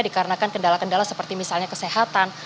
dikarenakan kendala kendala seperti misalnya kesehatan